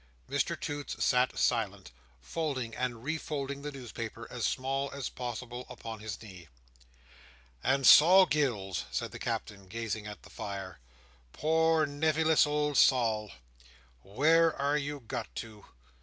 Mr Toots sat silent: folding and refolding the newspaper as small as possible upon his knee. "And Sol Gills," said the Captain, gazing at the fire, "poor nevyless old Sol, where are you got to!